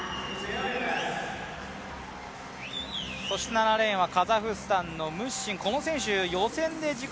７レーンはカザフスタンのムッシン予選で自己